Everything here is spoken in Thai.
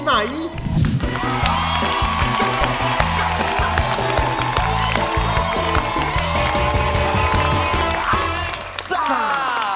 อันส่าา